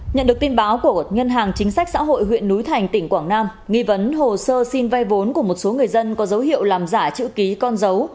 nhận được tin báo của ngân hàng chính sách xã hội huyện núi thành tỉnh quảng nam nghi vấn hồ sơ xin vay vốn của một số người dân có dấu hiệu làm giả chữ ký con dấu